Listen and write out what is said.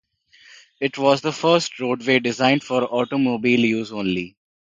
It was the first roadway designed for automobile use only.